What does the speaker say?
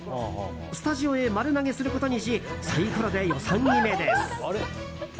スタジオへ丸投げすることにしサイコロで予算決めです。